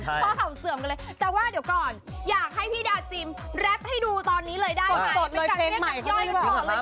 แต่ว่าเดี๋ยวก่อนอยากให้พี่ดาจิมแร็ปให้ดูตอนนี้เลยได้ไหม